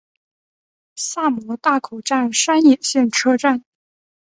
萨摩大口站山野线车站。